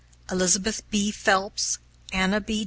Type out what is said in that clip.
Elizabeth B. Phelps, Anna B.